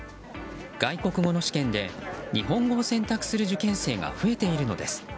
外国語の試験で日本語を選択する受験生が増えているのです。